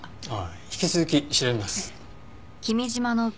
引き続き調べます。